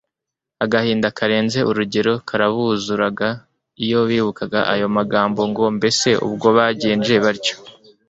Agahinda karenze urugero karabuzuraga iyo bibukaga ayo magambo ngo " mbese ubwo bagenje batyo